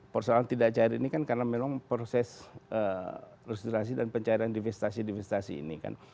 persoalan tidak cair ini kan karena memang proses resturasi dan pencairan divestasi divestasi ini kan